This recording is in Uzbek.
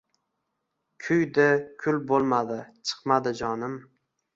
Kuydi, kul bo’lmadi, chiqmadi jonim